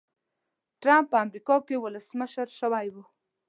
ټرمپ په امریکا کې ولسمشر شوی و.